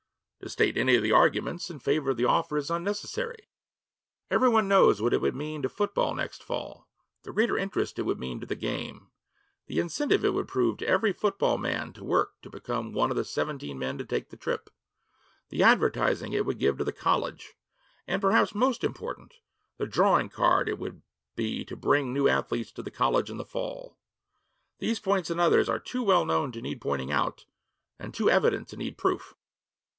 To state any of the arguments in favor of the offer is unnecessary. Every one knows what it would mean to football next fall, the greater interest it would mean to the game, the incentive it would prove to every football man to work to become one of the seventeen men to take the trip, the advertising it would give to the college, and, perhaps most important, the drawing card it would be to bring new athletes to the college in the fall. These points and others are too well known to need pointing out and too evident to need proof.'